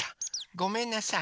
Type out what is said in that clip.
ごめんなさい。